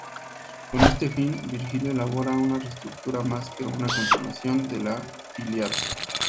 Con este fin, Virgilio elabora una reescritura, más que una continuación, de la "Ilíada".